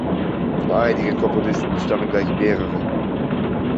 Von einigen Komponisten stammen gleich mehrere.